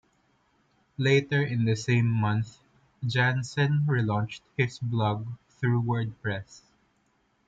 Later in the same month, Jansen re-launched his blog through WordPress.